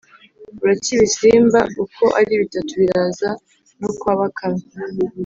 buracya ibisimba uko ari bitatu biraza no kwa bakame.